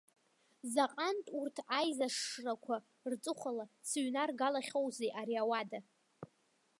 Заҟантә урҭ аизашшрақәа рҵыхәала сыҩнаргалахьоузеи ари ауада?